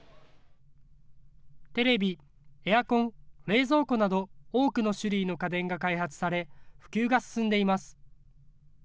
テレビ、エアコン、冷蔵庫など多くの種類の家電が開発され、普及が進んでいます。